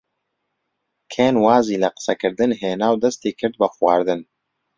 کێن وازی لە قسەکردن هێنا و دەستی کرد بە خواردن.